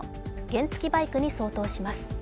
原付バイクに相当します。